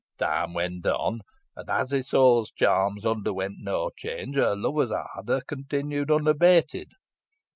"Time went on, and as Isole's charms underwent no change, her lover's ardour continued unabated.